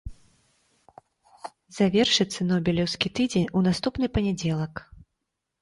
Завершыцца нобелеўскі тыдзень у наступны панядзелак.